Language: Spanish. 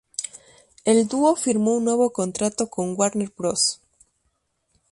El dúo firmó un nuevo contrato con Warner Bros.